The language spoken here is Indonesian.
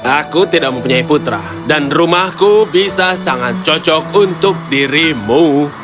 aku tidak mempunyai putra dan rumahku bisa sangat cocok untuk dirimu